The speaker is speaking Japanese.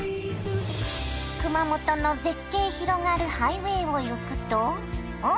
熊本の絶景広がるハイウエーを行くとん？